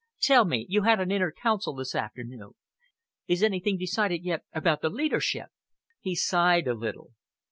Tell me you had an inner Council this afternoon is anything decided yet about the leadership?" He sighed a little.